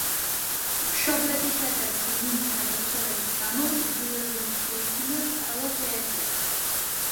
მშობლებისა და ძმის გარდაცვალების გამო იძულებული შეიქმნა სწავლა შეეწყვიტა.